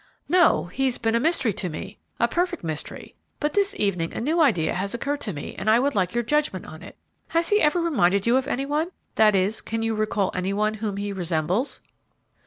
"No; he's been a mystery to me, a perfect mystery; but this evening a new idea has occurred to me, and I would like your judgment on it. Has he ever reminded you of any one? That is, can you recall any one whom he resembles?"